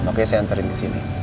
makanya saya anterin disini